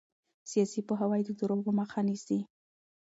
سیاسي پوهاوی د دروغو مخه نیسي